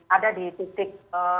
ada di titik